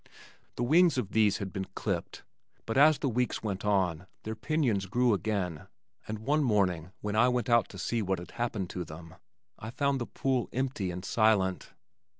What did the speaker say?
The wings of these had been clipped but as the weeks went on their pinions grew again and one morning when I went out to see what had happened to them, I found the pool empty and silent.